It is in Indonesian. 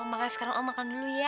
makanya sekarang om makan dulu ya